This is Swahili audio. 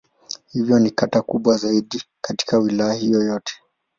Hivyo ni kata kubwa zaidi katika Wilaya hiyo yote.